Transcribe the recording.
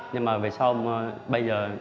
nhưng mà vì sao bây giờ